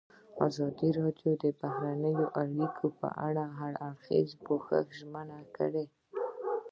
ازادي راډیو د بهرنۍ اړیکې په اړه د هر اړخیز پوښښ ژمنه کړې.